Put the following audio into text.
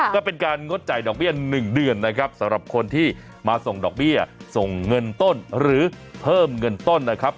ก็เป็นการงดจ่ายดอกเบี้ย๑เดือนนะครับสำหรับคนที่มาส่งดอกเบี้ยส่งเงินต้นหรือเพิ่มเงินต้นนะครับ